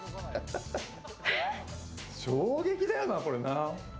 衝撃だよな、これ。